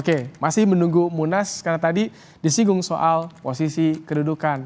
oke masih menunggu munas karena tadi disinggung soal posisi kedudukan